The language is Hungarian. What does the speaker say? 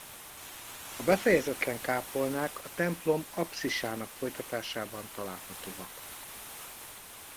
A Befejezetlen kápolnák a templom apszisának folytatásában találhatóak.